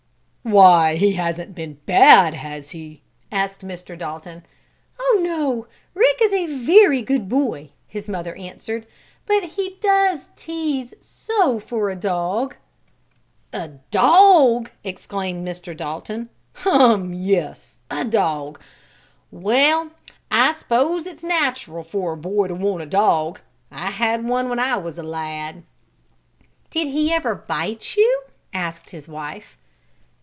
"Why, he hasn't been bad; has he?" asked Mr. Dalton. "Oh, no, Rick is a very good boy," his mother answered. "But he does tease so for a dog!" "A dog!" exclaimed Mr. Dalton. "Hum, yes, a dog! Well, I s'pose it's natural for a boy to want a dog. I had one when I was a lad." "Did he ever bite you?" asked his wife.